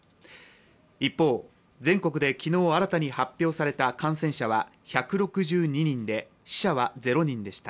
一方、全国で昨日新たに発表された感染者は１６２人で、死者は０人でした。